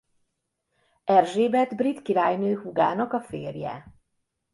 Erzsébet brit királynő húgának a férje.